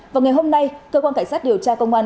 vào ngày hôm nay cơ quan cảnh sát điều tra công an